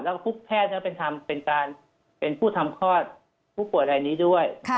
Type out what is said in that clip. แล้วพวกแพทย์จะเป็นผู้ทำคลอดผู้ป่วยอะไรอย่างนี้ด้วย